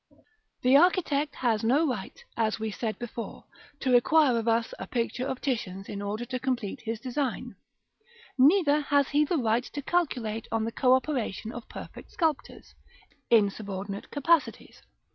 The architect has no right, as we said before, to require of us a picture of Titian's in order to complete his design; neither has he the right to calculate on the co operation of perfect sculptors, in subordinate capacities.